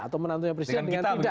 atau menantunya presiden dengan tidak